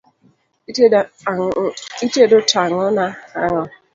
Itemo tang'o na ang'o?